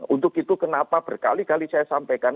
untuk itu kenapa berkali kali saya sampaikan